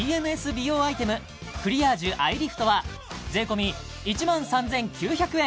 美容アイテムクリアージュアイリフトは税込１万３９００円